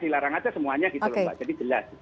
dilarang aja semuanya gitu jadi jelas